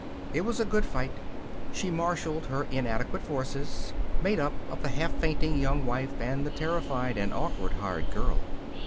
It was a good fight. She marshaled her inadequate forces, made up of the half fainting Young Wife and the terrified and awkward hired girl.